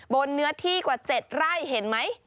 เนื้อที่กว่า๗ไร่เห็นไหม